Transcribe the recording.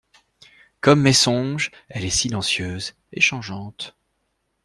Comme mes songes, elle est silencieuse et changeante.